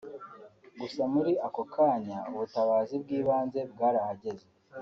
Gusa muri ako kanya ubutabazi bw’ibanze bwarahageze